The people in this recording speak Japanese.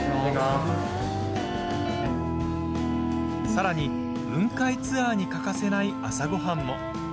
さらに、雲海ツアーに欠かせない朝ごはんも。